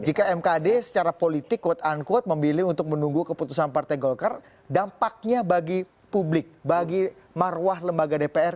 jika mkd secara politik quote unquote memilih untuk menunggu keputusan partai golkar dampaknya bagi publik bagi marwah lembaga dpr